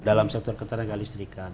dalam sektor ketenagaan listrikan